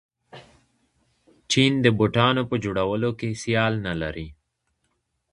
چین د بوټانو په جوړولو کې سیال نلري.